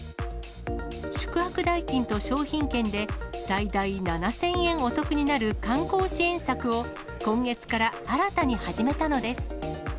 宿泊代金と商品券で最大７０００円お得になる観光支援策を、今月から新たに始めたのです。